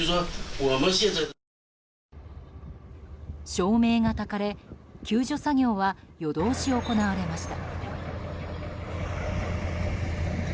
照明がたかれ、救助作業は夜通し行われました。